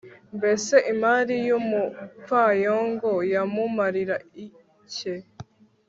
mbese imari y'umupfayongo yamumarira ike